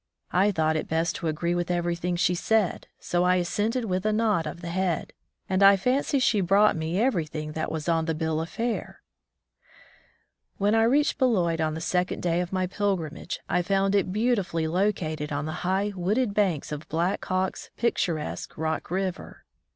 I thought it best to agree with everything she said, so I assented with a nod of the head, and I fancy she brought me everything that was on the bill of fare ! When I reached Beloit on the second day of my pilgrimage, I found it beautifully located on the high, wooded banks of Black Hawk's picturesque Rock River.